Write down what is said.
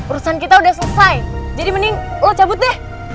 urusan kita udah selesai jadi mending lo cabut deh